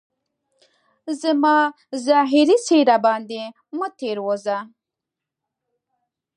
زما ظاهري څهره باندي مه تیروځه